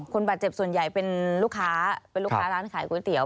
คุณบาดเจ็บส่วนใหญ่เป็นลูกค้าร้านขายก๋วยเตี๋ยว